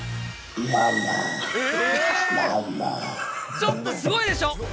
ちょっとすごいでしょ？